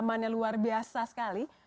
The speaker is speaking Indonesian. pengalaman yang luar biasa sekali